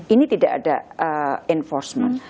ini tidak ada enforcement